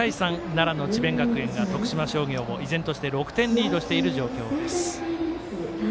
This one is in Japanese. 奈良の智弁学園が徳島商業を依然として６点リードしている状況です。